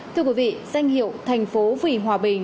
thưa quý vị danh hiệu thành phố vì hòa bình